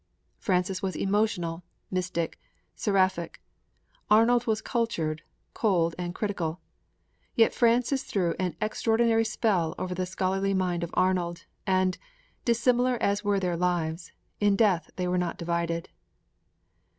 Francis was emotional, mystical, seraphic; Arnold was cultured, cold, and critical. Yet Francis threw an extraordinary spell over the scholarly mind of Arnold, and, dissimilar as were their lives, in death they were not divided.